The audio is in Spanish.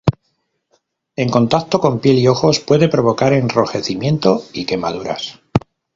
En contacto con piel y ojos, puede provocar enrojecimiento y quemaduras.